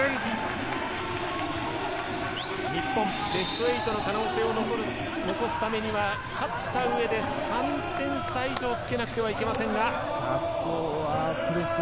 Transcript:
日本、ベスト８の可能性を残すためには、勝った上で、３点差以上つけなければいけません。